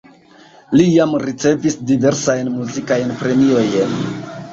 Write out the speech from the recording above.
Li jam ricevis diversajn muzikajn premiojn.